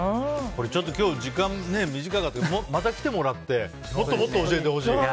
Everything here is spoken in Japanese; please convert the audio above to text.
ちょっと今日時間短かったですけどまた来てもらってもっともっと教えてほしい。